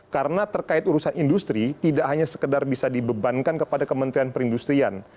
karena terkait urusan industri tidak hanya sekedar bisa dibebankan kepada kementerian perindustrian